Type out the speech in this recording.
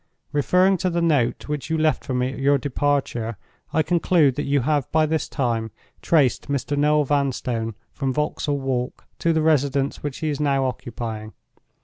"Referring to the note which you left for me at your departure, I conclude that you have by this time traced Mr. Noel Vanstone from Vauxhall Walk to the residence which he is now occupying.